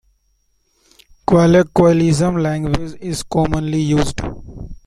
Colloquialism language is commonly used.